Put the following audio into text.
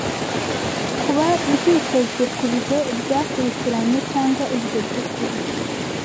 kuba byitezwe kubihe byakurikiranye cyangwa ibihe byukuri